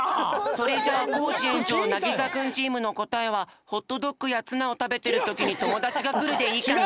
それじゃあコージ園長なぎさくんチームのこたえは「ホットドッグやツナをたべてるときにともだちがくる」でいいかな？